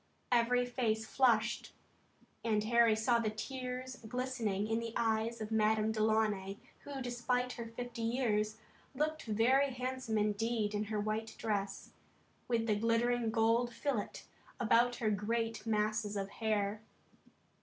Every face flushed, and Harry saw the tears glistening in the eyes of Madame Delaunay who, despite her fifty years, looked very handsome indeed in her white dress, with the glittering gold fillet about her great masses of hair.